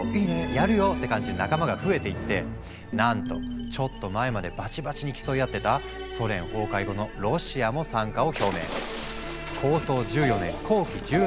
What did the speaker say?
「やるよ！」って感じで仲間が増えていってなんとちょっと前までバチバチに競い合ってたソ連崩壊後のロシアも参加を表明。